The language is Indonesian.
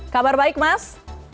kabar baik mas